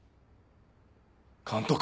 監督。